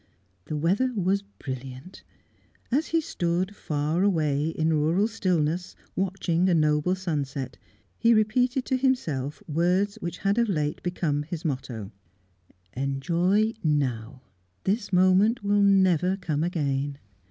The weather was brilliant. As he stood, far away in rural stillness, watching a noble sunset, he repeated to himself words which had of late become his motto, "Enjoy now! This moment will never come again."